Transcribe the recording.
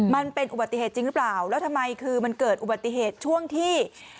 มันเป็นอุบัติเหตุจริงหรือเปล่าแล้วทำไมคือมันเกิดอุบัติเหตุช่วงที่